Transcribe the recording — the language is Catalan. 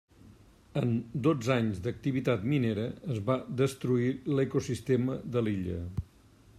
En dotze anys d'activitat minera es va destruir l'ecosistema de l'illa.